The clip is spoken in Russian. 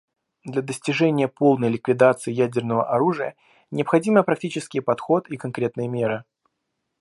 Для достижения полной ликвидации ядерного оружия необходимы практический подход и конкретные меры.